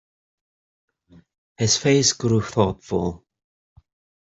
His face grew thoughtful.